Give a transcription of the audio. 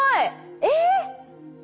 えっ！